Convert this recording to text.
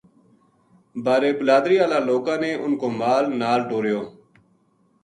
بارے بلادری ہالا لوکاں نے انھ کو مال نال ٹوریو